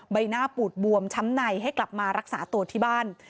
ใบหน้าปูดบวมช้ำในให้กลับมารักษาตัวที่บ้าน